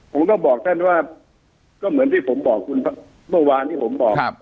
ผมต้องบอกท่านว่าก็เหมือนที่ผมบอกคุณเมื่อวานที่ผมบอก